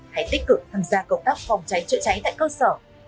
hay tích cực tham gia cộng tác phòng cháy trợ cháy tại cơ sở